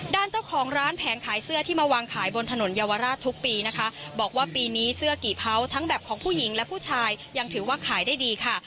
ด้านเจ้าของร้านแผงขายเสื้อที่มาวางขายบนถนนเยาวราชทุกปีนะคะบอกว่าปีนี้เสื้อกี่เผาทั้งแบบของผู้หญิงและผู้ชายยังถือว่าขายได้ดีค่ะ